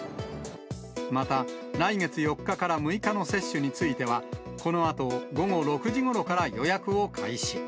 また、来月４日から６日の接種については、このあと午後６時ごろから予約を開始。